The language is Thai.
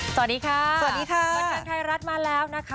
สวัสดีค่ะสวัสดีค่ะบันเทิงไทยรัฐมาแล้วนะคะ